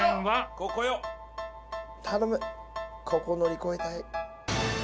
ここ乗り越えたい。